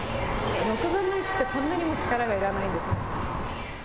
６分の１ってこんなにも力がいらないんですね。